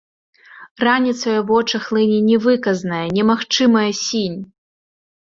Раніцай у вочы хлыне невыказная, немагчымая сінь.